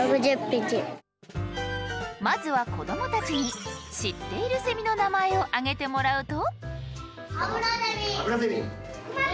まずは子どもたちに知っているセミの名前を挙げてもらうと。